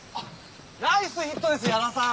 ナイスヒットです矢田さん！